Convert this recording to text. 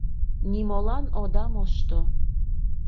Нимолан ода мошто.